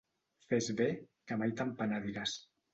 Fes bé, que mai te'n penediràs.